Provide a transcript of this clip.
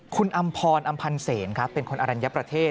คุณอำพรอำพันธ์เสนครับเป็นคนอรัญญประเทศ